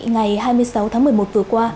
ngày hai mươi sáu tháng một mươi một vừa qua